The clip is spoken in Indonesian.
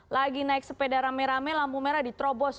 lagi naik sepeda rame rame lampu merah diterobos